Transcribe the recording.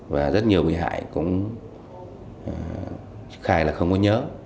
và rất nhiều bị hại cũng khai là không có nhớ